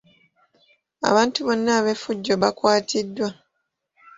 Abantu bonna ab'effujjo baakwatiddwa.